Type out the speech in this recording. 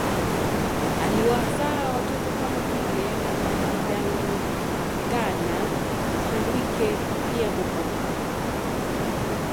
Aliwazaa watoto kama vile Magidangana Mhalwike pia Mupoma